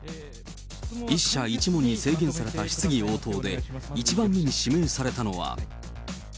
１社１問に制限された質疑応答で、１番目に指名されたのは。